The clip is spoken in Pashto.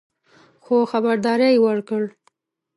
خو خبرداری یې ورکړ